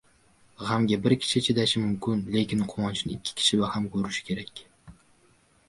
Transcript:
G‘amga bir kishi chidashi mumkin, lekin quvonchni ikki kishi baham ko‘rishi kerak.